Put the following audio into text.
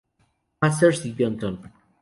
Masters y Johnson